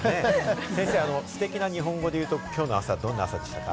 先生、ステキな日本語で言うと今日の朝はどんな朝でしたか？